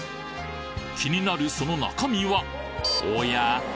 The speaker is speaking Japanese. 気になるその中身はおや？